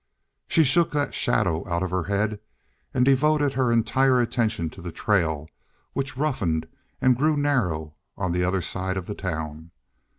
She shook that shadow out of her head and devoted her entire attention to the trail which roughened and grew narrow on the other side of the town.